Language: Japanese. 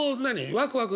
ワクワク？